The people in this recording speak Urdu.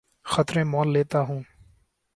خطرے مول لیتا ہوں